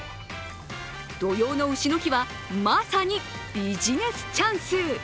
土用のうしの日は、まさにビジネスチャンス。